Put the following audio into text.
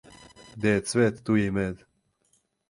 Где је цвет, ту је и мед.